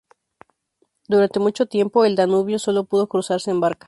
Durante mucho tiempo, el Danubio sólo pudo cruzarse en barca.